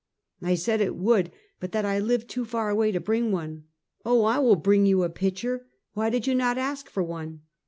I said it would, but that I lived too far away to bring one. "Oh! I will bring you a pitcher! Why did you not ask for one?"